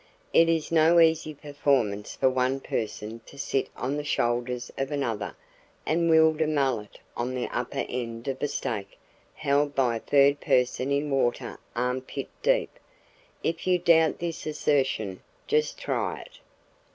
It is no easy performance for one person to sit on the shoulders of another and wield a mallet on the upper end of a stake held by a third person in water arm pit deep. If you doubt this assertion, just try it.